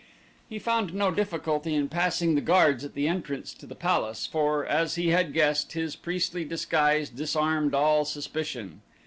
He found no difficulty in passing the guards at the entrance to the palace for, as he had guessed, his priestly disguise disarmed all suspicion.